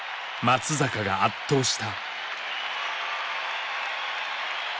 松坂が圧倒した。